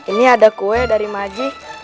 ini ada kue dari maji